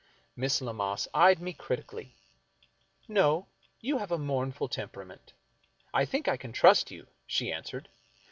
Miss Lammas eyed me critically. " No ; you have a mournful temperament. I think I can trust you," she answered.